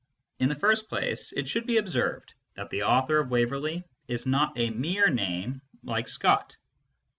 In the first place, it should be observed that the author of Waverley is not a mere name, like Scott.